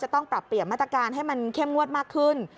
ต้องปรับเปลี่ยนมาตรการให้มันเข้มงวดมากขึ้น